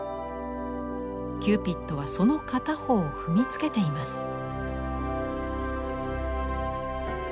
キューピッドはその片方を踏みつけています。